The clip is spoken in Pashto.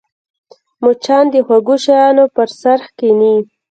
مچان د خوږو شیانو پر سر کښېني